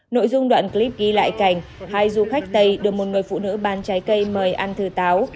nội dung đoạn clip ghi lại cảnh hai du khách tây được một người phụ nữ bán trái cây mời ăn thừa táo